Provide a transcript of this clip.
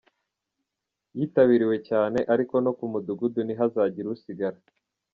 Yitabiriwe cyane, ariko no ku mudugudu ntihazagire usigara.